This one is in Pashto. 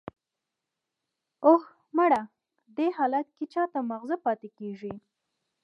"اوه، مړه! دې حالت کې چا ته ماغزه پاتې کېږي!"